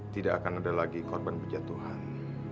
tidak akan ada lagi korban berjatuhan